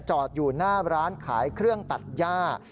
จอดอยู่หน้าร้านขายเครื่องตัดย่า